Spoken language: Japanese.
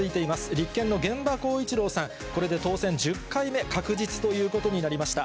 立憲の玄葉光一郎さん、これで当選１０回目確実ということになりました。